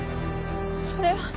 それは。